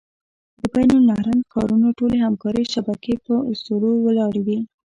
د بین النهرین ښارونو ټولې همکارۍ شبکې په اسطورو ولاړې وې.